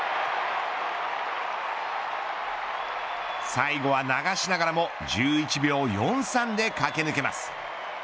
最後は流しながらも１１秒４３で駆け抜けます。